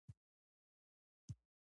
د تا نوم څه شی ده؟